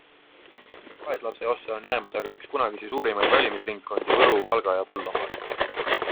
Vaeslapse ossa on jäämas aga üks kunagisi suurimaid valimisringkondi Võru-, Valga- ja Põlvamaal.